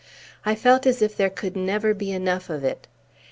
I felt as if there could never be enough of it.